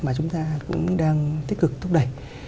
mà chúng ta cũng đang tích cực thúc đẩy